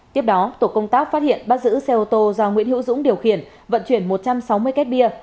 tiếp đó tổ công tác phát hiện bắt giữ xe ô tô do nguyễn hữu dũng điều khiển vận chuyển một trăm sáu mươi két bia